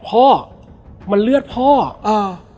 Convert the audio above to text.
แล้วสักครั้งหนึ่งเขารู้สึกอึดอัดที่หน้าอก